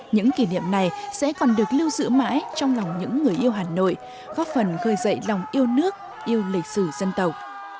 những kỷ niệm này sẽ còn được lưu giữ mãi trong lòng những người yêu hà nội góp phần khơi dậy lòng yêu nước yêu lịch sử dân tộc